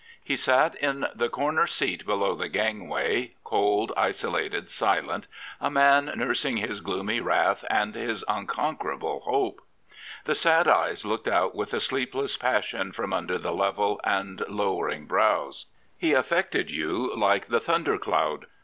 He sat in the corner seat below the gangway, cold, isolated, silent, a man nurs ing his gloomy wrath and his unconquerable hope. The sad eyes looked out with a sleepless passion from under the level and lowering brows. He affected you like the thunder cloud.